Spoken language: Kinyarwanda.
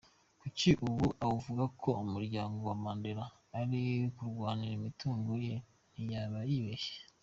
Kuri ubu uwavuga ko umuryango wa Mandela uri kurwanira imitungo ye ntiyaba yibeshye.